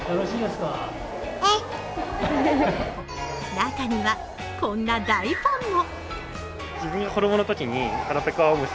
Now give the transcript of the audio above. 中には、こんな大ファンも。